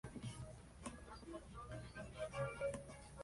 Ha aparecido en cerca de treinta películas, incluyendo "Ararat" y "Yes".